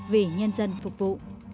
vì nhân dân phục vụ